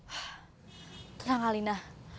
hah tenang alina